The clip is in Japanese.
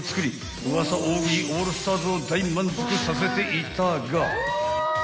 ウワサ大食いオールスターズを大満足させていたが］